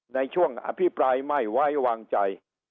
ในช่วงอภิปรายไม่ไว้วางใจ